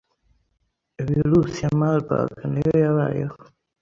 virusi ya Marburg nayo yabayeho